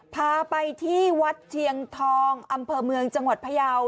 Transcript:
พาไปที่วัดเชียงทองอำเภอเมืองจังหวัดพยาว